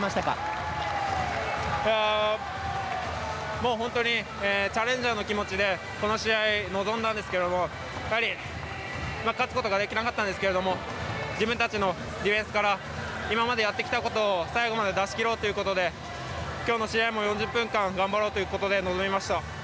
もうチャレンジャーの気持ちでこの試合、臨んだんですけど勝つことはできなかったんですけれども自分たちのディフェンスから今までやってきたことを最後まで出しきろうということできょうの試合も４０分間頑張ろうということで臨みました。